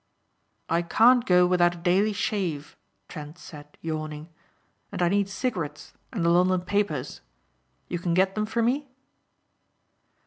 "I can't go without a daily shave," Trent said yawning. "And I need cigarettes and the London papers. You can get them for me?"